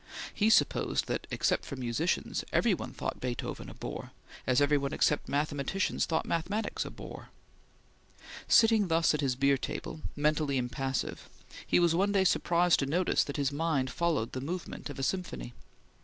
He supposed that, except musicians, every one thought Beethoven a bore, as every one except mathematicians thought mathematics a bore. Sitting thus at his beer table, mentally impassive, he was one day surprised to notice that his mind followed the movement of a Sinfonie.